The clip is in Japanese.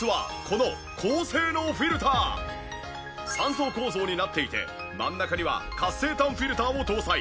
３層構造になっていて真ん中には活性炭フィルターを搭載。